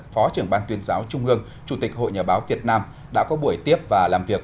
phó trưởng ban tuyên giáo trung ương chủ tịch hội nhà báo việt nam đã có buổi tiếp và làm việc